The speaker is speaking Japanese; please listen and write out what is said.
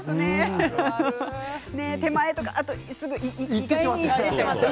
手前とか意外に行ってしまったり。